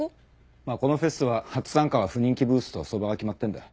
まあこのフェスは初参加は不人気ブースと相場は決まってんだよ。